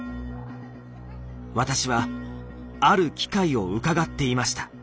私はある機会をうかがっていました。